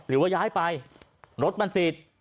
หรือว่าย้ายให้ไปรถมันปลีด